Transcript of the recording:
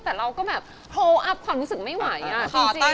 แต่เราก็แบบโพลอัพความรู้สึกไม่ไหวอ่ะจริง